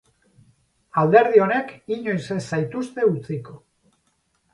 Alderdi honek inoiz ez zaituzte utziko.